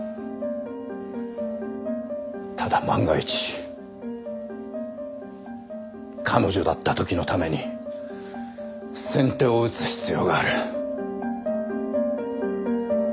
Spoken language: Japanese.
ただ万が一彼女だった時のために先手を打つ必要がある。